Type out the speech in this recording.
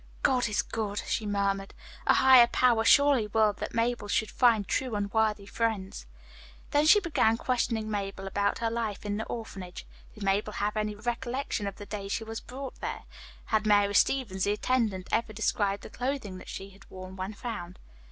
"God is good," she murmured. "A higher power surely willed that Mabel should find true and worthy friends." Then she began questioning Mabel about her life in the orphanage. Did Mabel have any recollection of the day she was brought there? Had Mary Stevens, the attendant, ever described the clothing that she had worn when found?